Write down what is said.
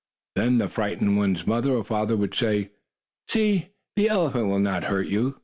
Then the frightened one's mother or father would say: "See, the good elephant will not hurt you.